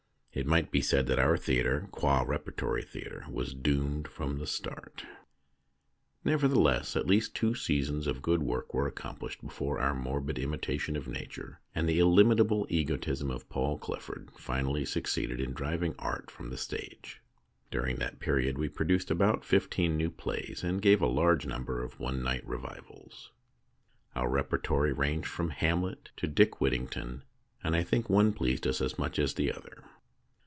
It might be said that our theatre, qud repertory theatre, was doomed from the start. A REPERTORY THEATRE 45 Nevertheless, at least two seasons of good work were accomplished before our morbid imitation of Nature and the illimitable egotism of Paul Clifford finally succeeded in driving art from the stage. During that period we produced about fifteen new plays, and gave a large number of one night revivals. Our repertory ranged from "Hamlet" to "Dick Whittington," and I think one pleased us as much as the other.